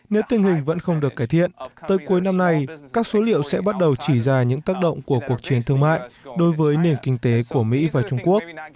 nếu tình hình vẫn không được cải thiện tới cuối năm nay các số liệu sẽ bắt đầu chỉ ra những tác động của cuộc chiến thương mại đối với nền kinh tế của mỹ và trung quốc